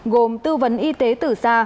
gồm tư vấn y tế từ xa